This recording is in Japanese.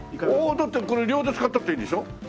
だってこれ両手使ったっていいんでしょ？